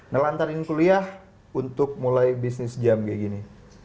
nelantarin kuliah untuk mulai bisnis jam kayak gini